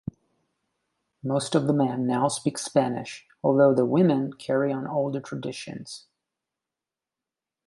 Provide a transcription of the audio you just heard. Most of the men now speak Spanish, although the women carry on older traditions.